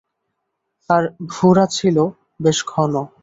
আর ভুরু ছিল বেশ ঘন।